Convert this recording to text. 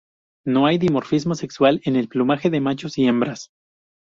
No hay dimorfismo sexual en el plumaje de machos y hembras.